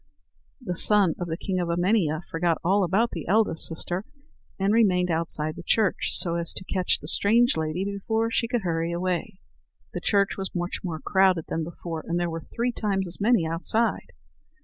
The son of the king of Emania forgot all about the eldest sister, and remained outside the church, so as to catch the strange lady before she could hurry away. The church was more crowded than ever before, and there were three times as many outside.